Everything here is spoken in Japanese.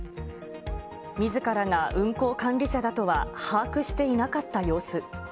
みずからが運航管理者だとは把握していなかった様子。